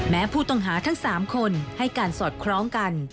แม้ผู้ต้องหาทั้ง๓คนให้การสอดคล้องกัน